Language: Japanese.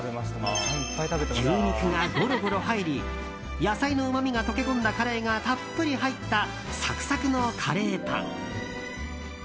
牛肉がゴロゴロ入り野菜のうまみが溶け込んだカレーがたっぷり入ったサクサクのカレーパン。